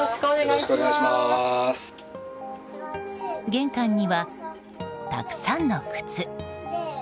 玄関には、たくさんの靴。